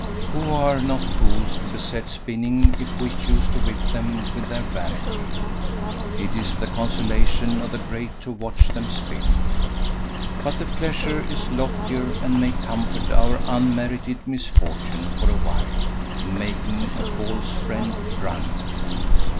Who are not fools to beset spinning if we choose to whip them with their vanity! it is the consolation of the great to watch them spin. But the pleasure is loftier, and may comfort our unmerited misfortune for a while, in making a false friend drunk.